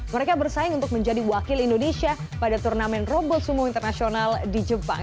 mereka bersaing untuk menjadi wakil indonesia pada turnamen robot sumo internasional di jepang